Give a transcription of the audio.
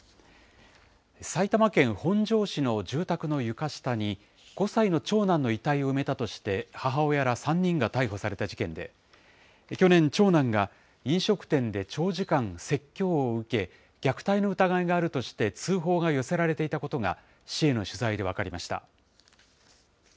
埼玉県本庄市の住宅の床下に、５歳の長男の遺体を埋めたとして母親ら３人が逮捕された事件で、去年、長男が飲食店で長時間、説教を受け、虐待の疑いがあるとして通報が寄せられていたことが、市への取材で分かりました。